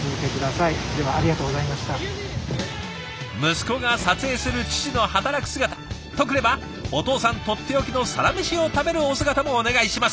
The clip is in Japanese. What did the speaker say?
息子が撮影する父の働く姿とくればお父さんとっておきのサラメシを食べるお姿もお願いします。